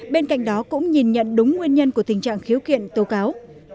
bên cạnh đó cũng nhìn nhận đúng nguyên nhân của tình trạng khiếu kiện tố cáo